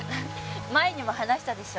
前にも話したでしょ？